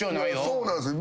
そうなんすよ。